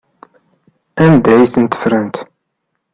Anda ay ten-ffrent?